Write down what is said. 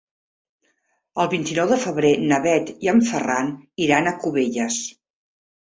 El vint-i-nou de febrer na Bet i en Ferran iran a Cubelles.